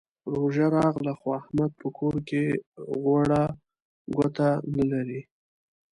روژه راغله؛ خو احمد په کور کې غوړه ګوته نه لري.